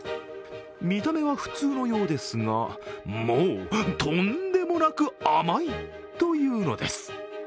見た目は普通のようですがもうとんでもなく甘いというのです。